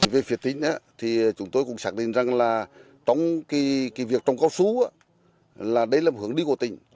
về việc tính chúng tôi cũng xác định rằng việc trồng cao su là hướng đi của tỉnh